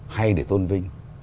hay để tôn vinh